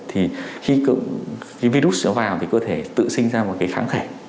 thì khi virus nó vào thì có thể tự sinh ra một cái kháng thể